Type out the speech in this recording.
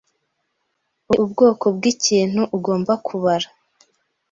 Ubu ni ubwoko bwikintu ugomba kubara.